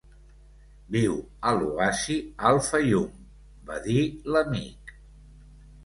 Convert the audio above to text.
"Viu a l'oasi Al-Fayoum", va dir l'amic.